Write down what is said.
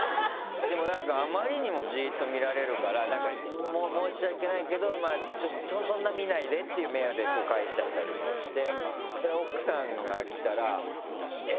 でもなんかあまりにもジっと見られるから申し訳ないけどそんな見ないでっていう目で返しちゃったりもして。